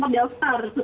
belum sempat daftar